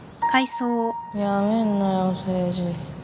辞めんなよ誠治